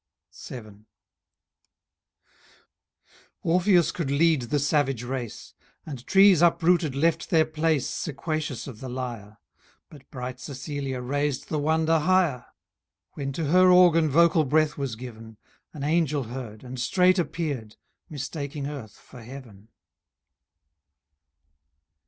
VII. Orpheus could lead the savage race; And trees uprooted left their place, Sequacious of the lyre: But bright Cecilia raised the wonder higher; When to her organ vocal breath was given, An angel heard, and straight appeared, Mistaking earth for heaven.